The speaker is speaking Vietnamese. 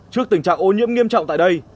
trước tình trạng ô nhiễm nghiêm trọng tại đây